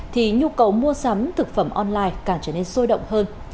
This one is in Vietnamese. thì nhu cầu mua sắm thực phẩm online càng trở nên sôi động hơn